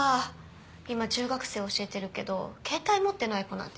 今中学生教えてるけど携帯持ってない子なんていないもんね。